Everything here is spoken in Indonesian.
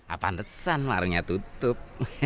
apaan resan warnanya tutup